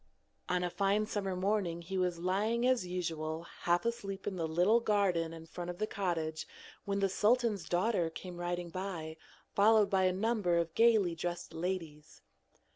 On a fine summer morning he was lying as usual half asleep in the little garden in front of the cottage when the sultan's daughter came riding by, followed by a number of gaily dressed ladies.